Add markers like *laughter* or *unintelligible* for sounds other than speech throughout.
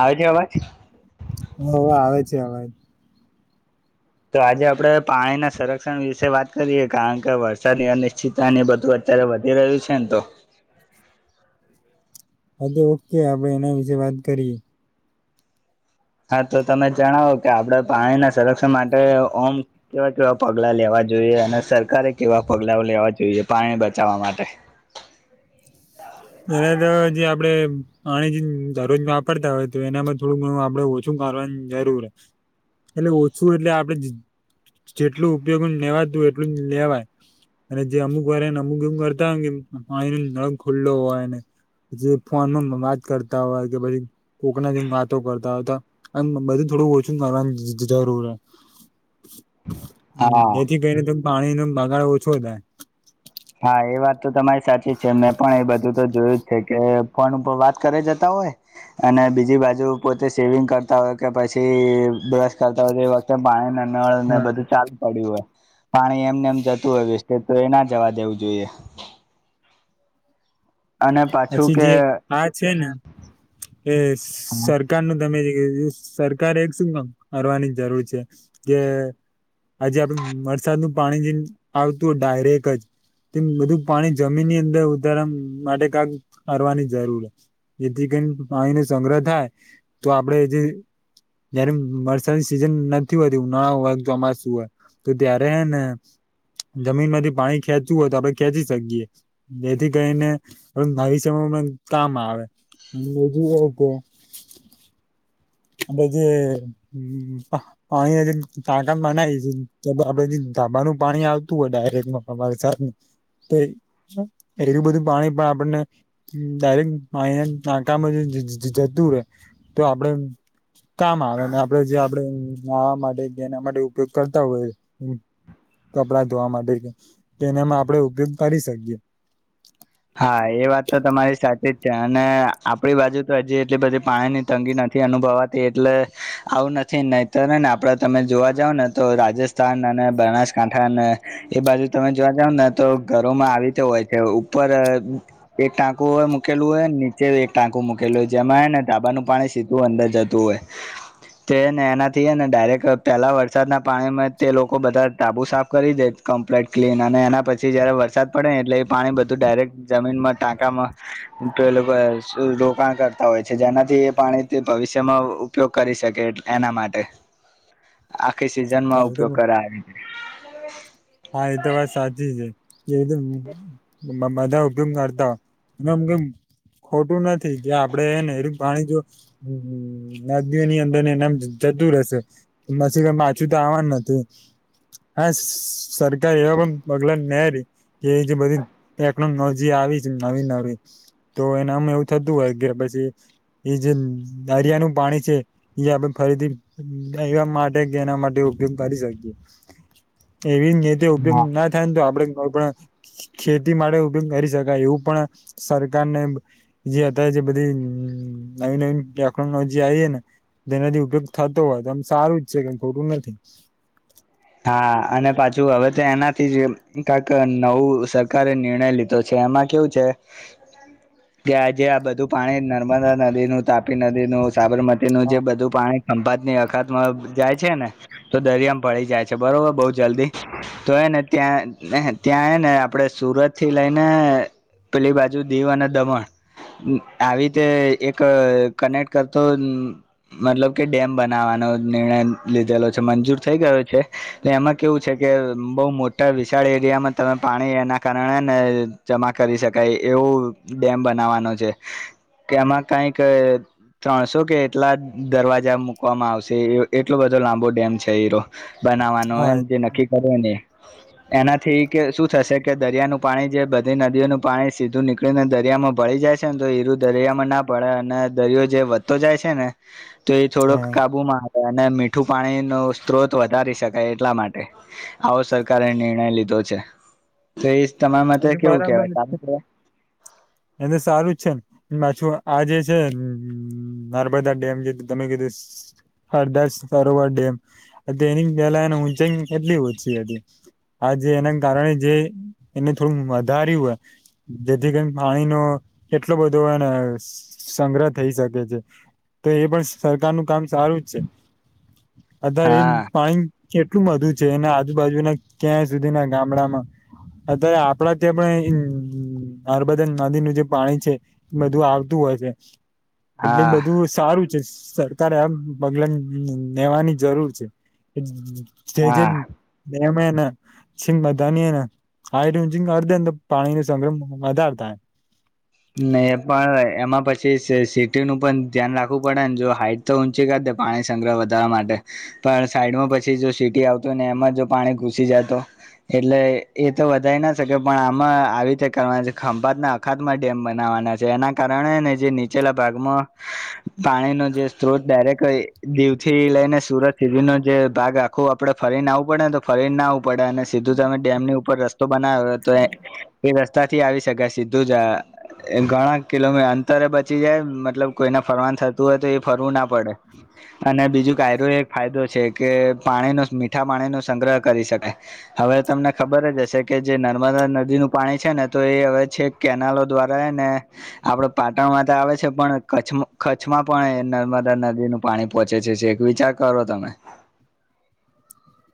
આવે છે અવાજ? હોવે આવે છે આવાજ. તો આજે આપડે પાણીના સંરક્ષણ વિશે વાત કરીએ કારણ કે વરસાદ અનિશ્ચિત એ બધું અત્યારે વધી રહ્યું છે ને તો આજે ઓકે આપડે એના વિશેે વાત કરીએ. હા તો તમે જણાવો કે આપડે પાણીના સંરક્ષણ માટે ઓમ કેવા કેવા પગલા લેવા જોઈએ અને સરકારે કેવા પગલા લેવા જોઈએ પાણી બચાવવા માટે? એના તો જે આપડે પાણી જે દરરોજ વાપરતા હોય તો એનામાં થોડુંક ઘણું આપણે ઓછું કરવાની જરૂર એટલે ઓછું એટલે આપડે જેટલું ઉપયોગ લેવાતું એટલું લેવાય અને જે અમુક વારને અમુક એમ કરતા હોય કે એનો નળ ખુલ્લો હોય. જે ફોનમાં વાત કરતા હોય કે પછી કોકના જોડે વાતો કરતા હોતા આ બધું થોડું ઓછું કરવાની જરૂર *inaudible* જેથી કરીને તો પાણીનો બગાડ ઓછો થાય. હા એ વાત તો તમારી સાચી છે મેં પણ એ બધું તો જોયું જ છે કે ફોન ઉપર વાત કરી જતા હોય અને બીજી બાજુ પોતે શેવિંગ કરતા હોય કે પછી બ્રશ કરતા હોય તો એ વખતે પાણી નળ ને હા, બધું ચાલુ પડ્યું હોય પાણી એમ ને એમ જતું હોય વેસ્ટ તો એના જવા દેવું જોઈએ. અને પાછું પછી કે જે આ છે ને એ સરકારનું તમે જે સરકાર એક શું કરવાની જરૂર છે? જે આજે આપડ વરસાદ નું પાણી જે આવતું ડાયરેક જ તેમ બધું પાણી જમીનની અંદર ઉતારવા માટે કાક કરવાની જરૂર એથી કઈ પાણી નો સંગ્રહ થાય તો આપડે જે જયારે વરસાદની સિઝન નથી હોતી ઉનાળા હોય, ચોમાસું હોય. તો ત્યારે હે ને જમીન માંથી પાણી ખેંચવું હોય તો આપણે ખેંચી શકીએ જેથી કરીને ભવિષ્યમાં *inaudible* કામ આવે *inaudible* *inaudible* જે પાણી *unintelligible* ટાકા બનાયીસ આપડે જે ધાબાનું પાણી આવતું હોય ડાયરેક્ટ *unintelligible* વરસાદનુ એટલું બધું પાણી પણ આપણને ડાયરેક્ટ પાણીના ટાંકામાં જતું રે તો આપડે કામ આવે ને આપડે જે આપડે નાવા માટે કે એના માટે ઉપયોગ કરતા હોય. કપડા ધોવા માટે કે તો એનામાં આપડે ઉપયોગ કરી શકીએ. હા એ વાત તો તમારી સાચી જ છે અને આપણી બાજુ તો હજી એટલી બધી પાણીની તંગી નથી અનુભવા એટલે આવું નથી નહીતર હે ને આપડા તમે જોવા જાવ ને તો રાજસ્થ થાન અને બનાસકાંઠા અને એ બાજુ તમે જોવા જાવ ને તો ઘરોમાં આવી તો હોય છે. પર એક ટાંકુ મૂકેલું હોય નીચે એક ટાંકુ મૂકેલું હોય જેમાં ને ધાબાનું પાણી સીધું તો અંદર જતું હોય. તે ને એનાથી ને ડાયરેક્ટ પહેલાં વરસાદના પાણીમાં તે લોકો બધા ધાબુ સાફ કરી દે. કમ્પ્લીટ ક્લીન અને એના પછી જયારે વરસાદ પડે ને એટલે એ પાણી બધું ડાયરેક્ટ જમીનમાં ટાંકામાં તો એ લોકો રોકાણ કરતા હોય છે જેનાથી એ પાણી ભવિષ્યમાં ઉપયોગ કરી શકે એટલે એના માટે આખી સિઝનમાં ઉપયોગ કરાવે હા એ તો વાત સાચી છે એ *unintelligible* ખોટું નથી જે આપડે છે ને પાણી જો હમ નદીઓ ની અંદર ને એમનામ જતું રહેશે *unintelligible* માછું તો આવવાનું નતુ *unintelligible* *unintelligible* એ જે બધી ટેકનોલોજી આવી છે નવી નવી તો એનામાં એવું થતું હોય કે પછી એ જે દરિયાનું પાણી છે એ આપડે ફરીથી એવા માટે કે એના માટે ઉપયોગ કરી શકીએ એવી રીતે ઉપયોગ ના થાય ને તો આપડે કોઈ પણ ખેતી માટે ઉપયોગ કરી શકાય એવું પણ સરકાર ને જે અત જે બધી નવી નવી ટેકનોલોજી આવી ને તેનાથી ઉપયોગ થતો હોય તો આમ સારું જ છે કે ખોટું નથી હા અને પાછું હવે તો એનાથી જ કંઈક નવું સરકારે નિર્ણય લીધ તો છે એમાં કેવું છે તો આ બધું પાણી નર્મદા નદી નું તાપી નદી નું સાબરમતી નું જે બધું પાણી ખંભાત ની અખાતમાં જાય છે ને તો દરિયામાં ભળી જાય છે કે બરોબર બઉ જલ્દી તો એને ત્યાં ત્યાં એ ને આપણે સુરત થી લઈને પેલી બાજુ દીવ અને દમણ આવી રીતે એક કનેક્ટ કરતો મતલબ કે ડેમ બનાવવાનો નિર્ણય લીધેલો છે મંજૂર થઈ ગયો છે એમાં કેવું છે કે બઉુ મોટા વિશાળ એરિયામાં તમે પાણી એના કારણે ને જમા કરી શકાય એવું ડેમ બનાવાનો છે કે એમાં કઈક ત્રણસો કે એટલા દરવાજા મકવામાં આવશે એટલો બધો લાંબો ડેમ છે બનાવવાનું હા હોયને જે નક્કી કરે ને એનાથી કે શું થશે કે દરિયાનું પાણી જે બધી નદીઓનું પાણી સીધું નીકળી એને દરિયામાં ભળી જાય છે ને તો હીરું દરિયામાં ના પડે અને દરિયો જે વધતો જાય છે ને તો એ થોડોક કાબુમાં આવે અને મીઠું પાણી નો સ્ત્રોત વધે ભરી શકાય એટલા માટે આવો સરકારે નિર્ણય લીધો છે તો એ તમારા માટે એ કેવું બરાબર જ કેવાય છે કારણ એને સારું જ છે ને પાછું આ જે છે નર્મદા ડેમ જેું તમે કીધું સરદાર સરોવર ડેમ એની પહેલાની ઊંચાઈ એટલી ઓછી હતી આ જે એના કારણે જે એને થોડું વધાર્યું હોય જેથી કરી પાણીનો કેટલો બધો એને સંગ્રહ થઈ શકે છે તો એ પણ સરકારનું કામ સારું જ છે અત્યારે એ હા પાણી કેટલું બધું છે એના આજુબાજુના ક્યાં સુધીના ગામડામાં અત્યારે આપડા ત્યાં પણ નમૅદા નદીનું જે પાણી છે બધું આવતું હોય છે એટલે હા બધું સારું છે સરકારે આ પગલા લેવાની જરૂર છે હા *unintelligible* *unintelligible* પાણી નું સંગ્રમ વધારતાાય નહી એ પણ એમાં પછી સિટી નું પણ ધ્યાન રાખવું પડે ને જો હાઈટ તો ઊંચી કરી દે પાણી સંગ્રહ વધારવા માટે પણ સાઈડમાં પછી જો સિટી આવતુ હોય ને એમાં જો પાણી ઘુસી જાય તો એટલે એ તો વધારે ના શકે પણ આમાં આવી રીતે કરવા છે ખંભાત ના અખાત માટે ડેમ બનાવવાના છે એના કારણે ને જે નીચેલા ભાગમાં પાણીનો જે સ્ત્રોત ડરેક્ટ દીવ થી લઈને સુરત સુધી નો જે ભાગ આખું આપડે ફરીને આવું પડે ને તો ફરીને ના આવવું પડે અને સીધું તમે ડેમની ઉપર રસ્તો બનાવ્યો તો એ રસ્તા થી આવી શકાય સીધું જ એ ઘણા કિલોમી અંતરે બચી જાય મતલબ કોઈને ફરવાન થતું હોય તો એ ફરવું ના પડે અને બીજું કાયરો એક ફાયદો છે કે પાણી ન મીઠા પાણી ન સંગ્રહ કરી શકેાય હવે તમને ખબર જ હશે કે જે નર્મદા નદીનું પાણી છે ને તો એ હવે છે કેનાલો દ્વારા ને આપડ પાટણમાં તો આવે છે પણ કચ્છ કચ્છમાં પણ નર્મદા નદીનું પાણી પોહોંચે છે છે એક વિચાર કરો તમે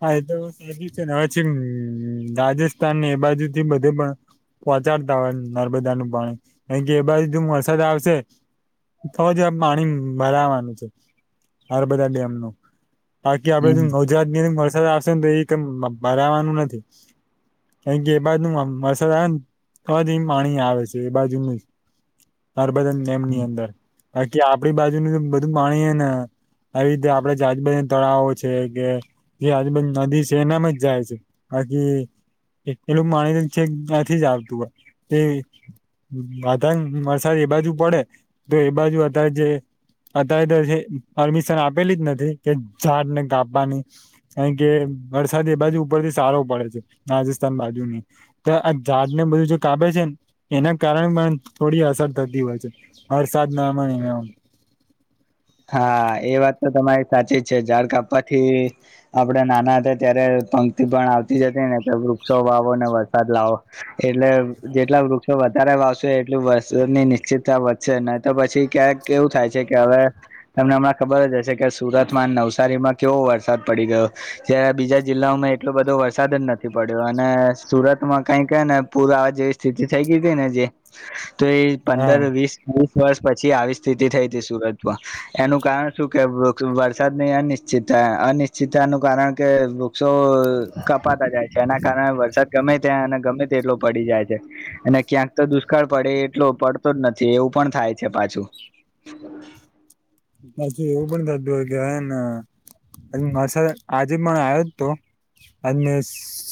હા એ તો સાચું છે ને હવે છે ને રાજસ્થાનને એ બાજુ થી બધે પણ પહોંચાડતા હોય નર્મદા નું પાણી કાર કે એ બાજ વરસાદ આવશે થ જોવા પાણી ભરાવાનું છે હરબધા ડેમનું બાકી હમ આપડે ગવજરાત ની વરસાદ આવશે ને તો એ ભરાવાનું નથી ક કે એ બાજનું મસાલ ને થ એ પાણી આવે છે એ બાજુ ન તારબધા ડેમની અંદર બાકી આપડી બાજુનું બધું પાણી હ ને આવી રીતે આપડે જ આજુબાજા તળાવો છે કે જે આજુ બધી નદી છે એનામાં જ જાય છે બાકી એટલું માની છે ક ત્યાં થી જ આવતું હોયે અધ વરસાદ એ બાજુ પડે તો એ બાજુ અત્યારે જે અત્યારે તો પરમિશન આપેલી જ નથી કે ઝાડને કાપવાની કારણ કે વરસાદ એ બાજુ ઉપરથી સારો પડે છે રાજસ્થાન બાજુની તો આ ઝાડ ને બધું જે કાપે છે ને એના કારણે પણ થોડી અસર થતી હોય છે વરસાદ નામા ની એમ હા એ વાત તો તમારી સાચી જ છે ઝાડ કાપવાથી આપડે નાના હતા ત્યારે પંક્તિ પણ આવતી હતી ને વૃક્ષો વાવો ને વરસાદ લાવો એટલે જેટલા વૃક્ષો વધારે વાવશે એટલ વસ્ની નિશ્ચિતતા નહી તો પછી ક્યાંક એવું થાય છે કે હવે તમને હમણાં ખબર જ હશે કે સુરતમાં નવસારીમાં કેવો વરસાદ પડી ગયો જયારે બીજા જિલ્લાઓમાં એટલો બધો વરસાદ જ નથી પડ્યો અને સુરત માં કઈક ને પૂર આવા જેવી સ્થિતિ થઈ ગય હતી ને જે તો એ હા પંદર વીસ વીસ વર્ષ પછી આવી સ્થિતિ થઈ હતી સુરત માં એનું કારણ શું કે વરસાદની અનિશ્ચિતતા અનિશ્ચિતતા નું કારણ કે વૃક્ષો કપાતા જાય છે એના કારણે વરસાદ ગમે ત્યાં અને ગમે તેટલો પડી જાય છે અને ક્યાંક તો દુષ્કાળ પડે એટલો પડતો જ નથી એવું પણ થાય છે પાછું પછી એવું પણ થતું હોય કે હસા આજે પણ આવ્યો જ તો અને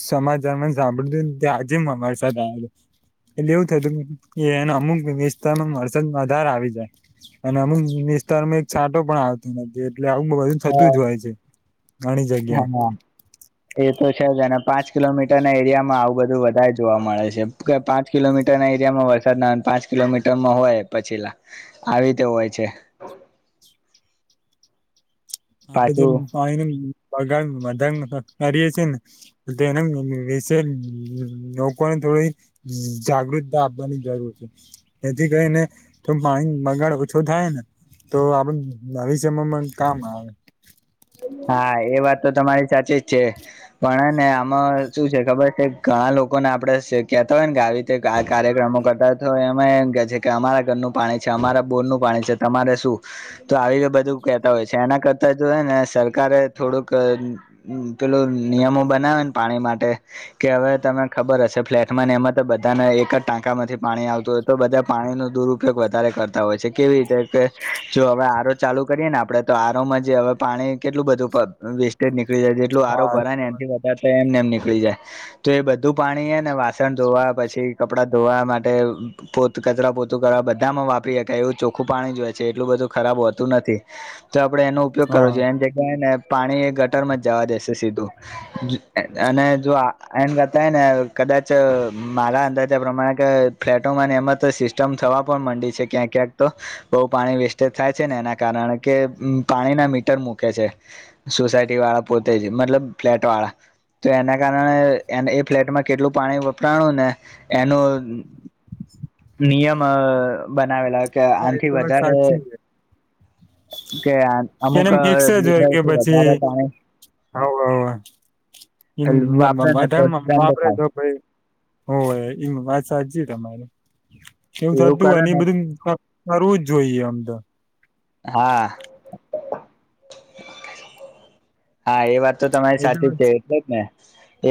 સમાચાર સાંભળ તું ત્યાર થી અમ વરસાદ આવે એટલે એવું થયતું એને અમુક વિસ્તારમાં વરસાદ આધાર આવી જાય અને અમુક વિસ્તાર વિતારમાં એક છાંટો પણ આવતો નથી એટલે આવું બધું થતું હા જ હોય છે ઘણી જગ્યા હા એ તો છે જ અને પાંચ કિલોમીટરના એરિયામાં આવું બધું વધારે જોવા મળે છે કે પાંચ પાંચ કિલોમીટર ના એરિયામાં વરસાદ ના પાંચ કિલોમીટરમાં હોય પછીલા આવી રીતે હોય છે આપડે જે પાછું પાણી ન બગાડ બધા કરીએ છીએ ને તેના વિશે લોકોને થોડી જાગૃતતા આપવાની જરૂર છે એથી કરીઈને તો પાણી નો બગાડ ઓછો થાય ને તો આપણ ભવિષ્ય મા પણ કામ આવે હા એ વાત તો તમારી સાચી જ છે પણ ને આમાં શું છે ખબર છે ઘણા લોકોને આપડે કેતા હોય ને કે આવી કાર્યક્રમો કરતા હોય તો એમે એમ કે છે કે અમારા ઘરનું પાણી છે અમારા બોરનું પાણી છે તમારે શું તો આવી બધું કેતા હોય છે એના કરતા જો ને સર સરકારે થોડુંક પેલું નિયમો બનાવેને પાણી માટે કે હવે તને ખબર હશે ફ્લેટમાં ને એમાં તો બધાને એક જ ટાંકામાંથી પાણી આવતું હોય તો બધા પાણી નો દુરુપયોગ વધારે કરતા હોય છે કેવી રીતે કે જો હવે આ ચાલુ કરીએ ને આપડે તો આરોમ જે હવે પાણી કેટલું બધું વેસ્ટેજ નીકળી જાય જેટલુ આરો હા ભરાય ને એમથી વધારે તો એમને એમ નીકળી જાય તો એ બધું પાણી એ ને વાસણ ધોવા પછી કપડા ધોવા માટે પો કચરા પોતું કરવા બધામાં વાપરી શકાય એવું ચોખ્ખું પાણી જ હોય છે એટલું બધું ખરાબ હોતું નથી. તો આપડે એનો ઉપયોગ કરવો હા જોઈએ એમ જગ્યાએ ને પાણી એ ગટરમાં જ જવા દેશે સીધું અને જો એમ કરતાય ને કદાચ મારા અંદાજા પ્રમાણે કે ફ્લેટોમાંને એમાં તો સિસ્ટમ થવા પણ માંડી છે ક્યાંક ક્યાંક તો બઉ પાણી વેસ્ટેજ થાય છે ને એના કારણે કે પાણીના મીટર મૂક કે છે સોસાયટી વાળા પોતે જ મતલબ ફ્લેટ વાળા તો એના કારણે એન એ ફ્લેટમાં કેટલું પાણી વપરાણું ને એનું *inaudible* નિયમ બનાવેલા કે હા એ આનથી તો વાત વધારે સાચી છે કે અમુક કેમ ફિક્સ જ હોય કે લીટરથી પછી વધારે પાણી ઈમ વાપરે ને તો વધાર દંડ વાપરે થાય તો પહિ હોય એ વાત સાચી તમારે એવુ એવું થતું હોય કરે ને એ બધું કરવું જ જોઈએ આમ તો હા. હા એ વાત તો તમારી એ તો સાચી છે એટલે જ ને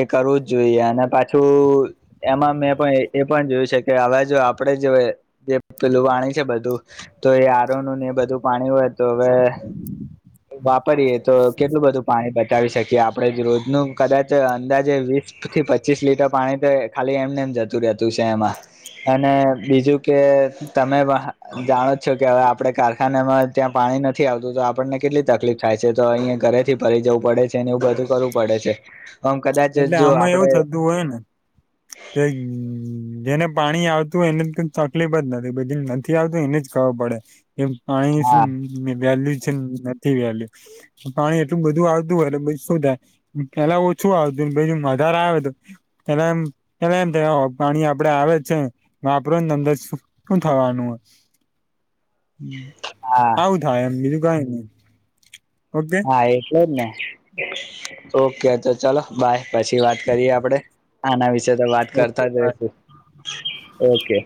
એ કરવું જ જોઈએ અને પાછું એમાં મેં પણ એ પણ એ પણ જોયું છે કે હવે જો આપણેે જે પેલું પાણી છે બધું તો એ આરોનું ને એ બધું પાણી હોય તો હવે વાપરીએે તો કેટલું બધું બતાવી શકીએ આપણે રોજનું કદાચ અંદાજે વીસ થી પચીસ લીટર પાણી તો ખાલી એમને એમ જતું રહેતું છે એમાં અને બીજું કે તમે જાણો પણ જ છો કે હવે આપણેે કારખાનામાં ત્યાં પાણી નથી આવતું તો આપણને કેટલી તકલીફ થાય છે તો અહીંયા ઘરે થી ફરી જવું પડે છે ને એવું બધું કરવું પડે છે આમ કદાચ જો આપડે તું હોય ને કે જેને પાણી આવતું હોય એને તકલીફ જ નથી પડતી નથી આવતું એને જ ખબર પડે એમ પાણીની શું હા વેલ્યુ છે નથી વેલ્યુ પાણી એટલું બધું આવતું હોય તો શું થાય પેલા ઓછું શું આવતું જ વધારે આવે તો પેલા એમ પેલા એમ કે પાણી આપડે આવે છે વાપરો તમને શું થવાનું હે *inaudible* હા આવું થાય એમ બીજું કાય નઈ ઓકે હા એટલે જ ને ઓકે તો ચલો બાય પછી વાત કરીએ આપણે આના વિશે તો વાત ઓકે કરતા જ બાય રહિશું ઓકે